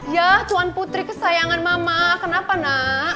yah tuhan putri kesayangan mama kenapa nak